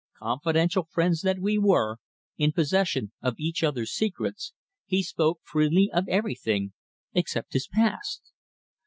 Confidential friends that we were, in possession of each other's secrets, he spoke freely of everything except his past.